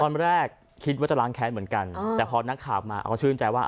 ตอนแรกคิดว่าจะล้างแค้นเหมือนกันแต่พอนักข่าวมาเอาก็ชื่นใจว่า